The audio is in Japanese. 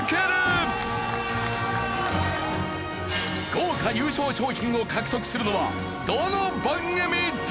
豪華優勝賞品を獲得するのはどの番組だ！？